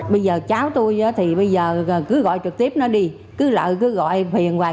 bây giờ cháu tôi thì bây giờ cứ gọi trực tiếp nó đi cứ gọi phiền hoài